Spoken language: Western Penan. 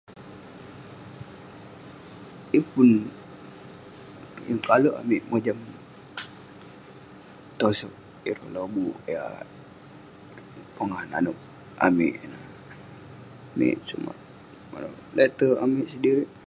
Yeng pun, yeng kalek pe amik mojam tosok ireh lobuk yah pongah nanouk amik ineh. Amik sumak manouk letek amik sedirik